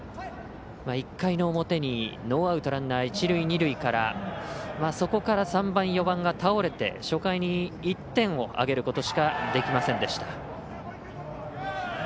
１回の表にノーアウトランナー、一塁二塁からそこから、３番、４番が倒れて初回に１点を挙げることしかできませんでした。